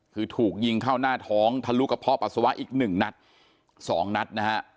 คือถูกยิงเข้าหน้าท้องทะลุกระเพาะปัสสาวะอีกหนึ่งนัดสองนัดนะฮะ